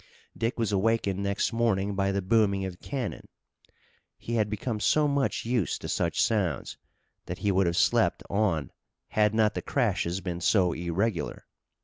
Dick was awakened next morning by the booming of cannon. He had become so much used to such sounds that he would have slept on had not the crashes been so irregular.